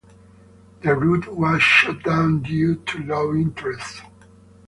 The route was shut down due to low interest.